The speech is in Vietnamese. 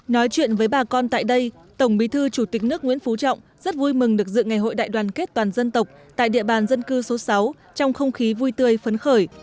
nói chuyện với bà con tại đây tổng bí thư chủ tịch nước nguyễn phú trọng rất vui mừng được dự ngày hội đại đoàn kết toàn dân tộc tại địa bàn dân cư số sáu trong không khí vui tươi phấn khởi